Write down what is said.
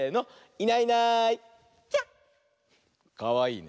かわいいね。